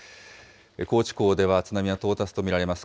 高知港では津波は到達と見られます。